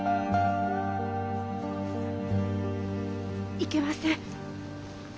いけません。